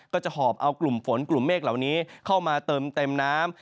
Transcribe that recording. ก็จะหอบเอากลุ่มฝนกลุ่มเมฆเหล่านี้เข้ามาเติมเต็มน้ำ